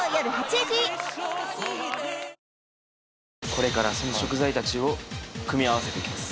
これからその食材たちを組み合わせていきます